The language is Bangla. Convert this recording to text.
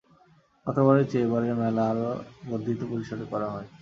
গতবারের চেয়ে এবারের মেলা আরও বর্ধিত পরিসরে করা হয়।